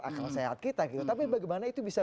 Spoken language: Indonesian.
akal sehat kita gitu tapi bagaimana itu bisa